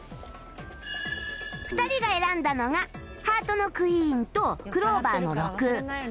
２人が選んだのがハートのクイーンとクローバーの６